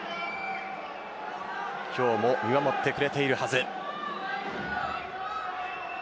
今日も見守ってくれているはず。